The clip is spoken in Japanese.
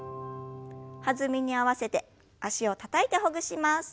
弾みに合わせて脚をたたいてほぐします。